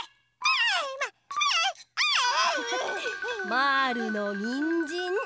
まぁるのにんじん。